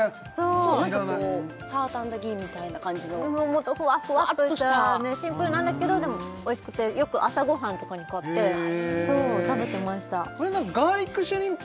そう何かサーターアンダギーみたいな感じのもっとふわふわっとしたシンプルなんだけどでもおいしくてよく朝ご飯とかに買って食べてました俺ガーリックシュリンプ